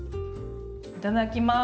いただきます。